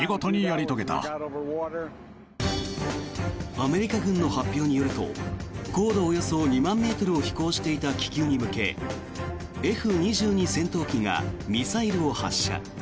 アメリカ軍の発表によると高度およそ２万ｍを飛行していた気球に向けＦ２２戦闘機がミサイルを発射。